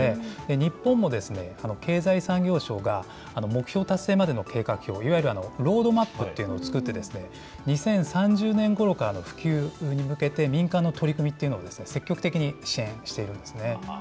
日本も経済産業省が、目標達成までの計画表、いわゆるロードマップというのを作ってですね、２０３０年ごろからの普及に向けて、民間の取り組みというのを積極的に支援しているんですね。